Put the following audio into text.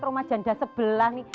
rumah janda sebelah nih